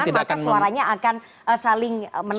maka suaranya akan saling menang